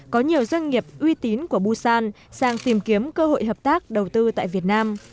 có nhiều doanh nghiệp uy tín của busan sang tìm kiếm cơ hội hợp tác đầu tư tại việt nam